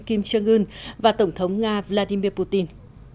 kim jong un và tổng thống nga vladimir putin